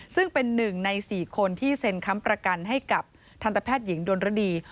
ซึ่งเป็นหนึ่งใน๔คนที่เซ็นค้ำประกันให้กับทันตแพทย์หญิงดนรดี